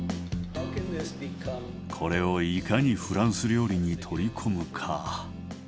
これをいかにフランス料理に取り込むか。